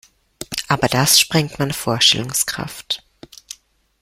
Aber das sprengt meine Vorstellungskraft.